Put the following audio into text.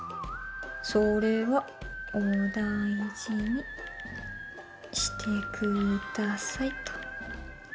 それはお大事にしてください、と。」